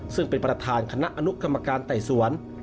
ซึ่งเป็นประธานคณะอนุกรรมการไต่สวน